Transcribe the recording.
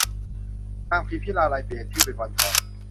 นางพิมพิลาไลยเปลี่ยนชื่อเป็นวันทอง